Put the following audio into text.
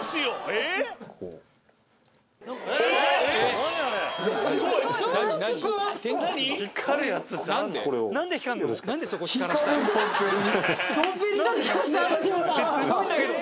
えっすごいんだけど。